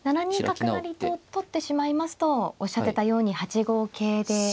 ７二角成と取ってしまいますとおっしゃってたように８五桂で。